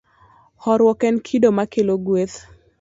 Horuok en kido makelo gweth.